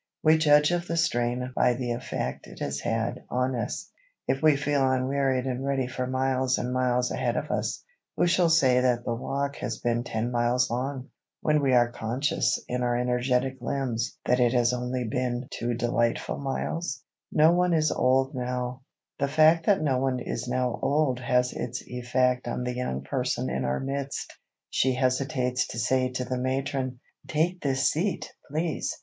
We judge of the strain by the effect it has had on us. If we feel unwearied and ready for miles and miles ahead of us, who shall say that the walk has been ten miles long, when we are conscious in our energetic limbs that it has only been two delightful miles? [Sidenote: NO ONE IS OLD NOW] The fact that no one is now old has its effect on the Young Person in our midst. She hesitates to say to the matron, "Take this seat, please!"